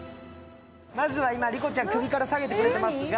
まずは今、莉子ちゃん、首から下げてくれていますが？